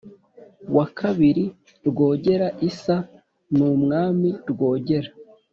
wa ii rwogera)-isa n’umwami rwogera